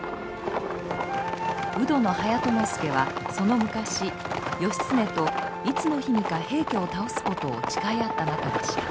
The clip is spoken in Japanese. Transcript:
鵜殿隼人助はその昔義経といつの日にか平家を倒すことを誓い合った仲でした。